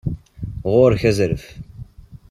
Ɣuṛ-k azref.